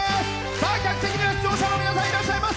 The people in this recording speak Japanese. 客席には出場者の方いらっしゃいます。